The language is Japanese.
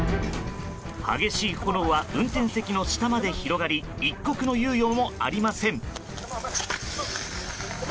激しい炎は運転席の下まで広がり一刻の猶予もありません。